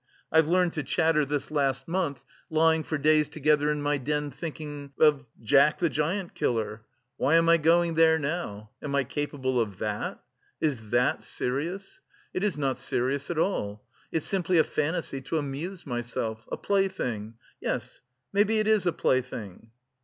I've learned to chatter this last month, lying for days together in my den thinking... of Jack the Giant killer. Why am I going there now? Am I capable of that? Is that serious? It is not serious at all. It's simply a fantasy to amuse myself; a plaything! Yes, maybe it is a plaything."